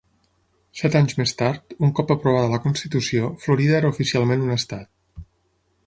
Set anys més tard, un cop aprovada la constitució, Florida era oficialment un estat.